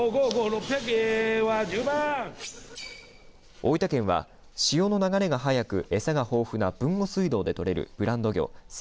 大分県は潮の流れが速く餌が豊富な豊後水道で取れるブランド魚関